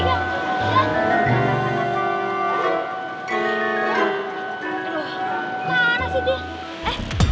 parah sih dia